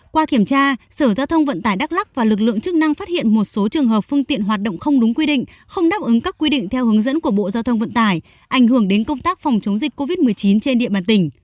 qua kiểm tra sở giao thông vận tải đắk lắc và lực lượng chức năng phát hiện một số trường hợp phương tiện hoạt động không đúng quy định không đáp ứng các quy định theo hướng dẫn của bộ giao thông vận tải ảnh hưởng đến công tác phòng chống dịch covid một mươi chín trên địa bàn tỉnh